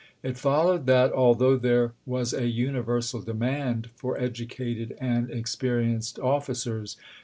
It fol lowed that, although there was a universal demand for educated and experienced officers.